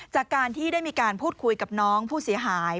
จากการที่ได้มีการพูดคุยกับน้องผู้เสียหาย